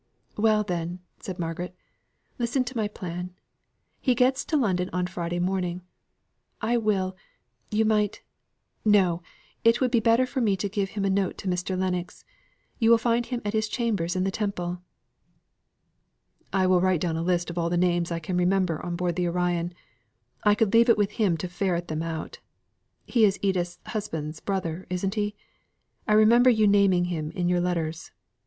"Well then," said Margaret, "listen to my plan. He gets to London on Friday morning. I will you might no! it would be better to give him a note to Mr. Lennox. You will find him at his chambers in the Temple." "I will write down a list of all the names I can remember on board the Orion. I could leave it with him to ferret them out. He is Edith's husband's brother, isn't he? I remember your naming him in your letters.